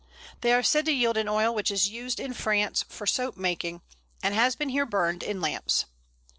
They are said to yield an oil which is used in France for soap making, and has been here burned in lamps.